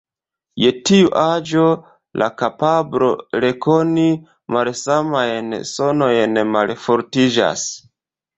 Je tiu aĝo, la kapablo rekoni malsamajn sonojn malfortiĝas.